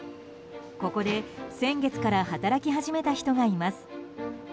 ここで先月から働き始めた人がいます。